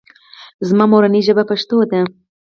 زما مورنۍ ژبه پښتو ده